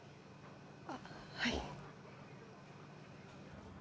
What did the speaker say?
あっはい。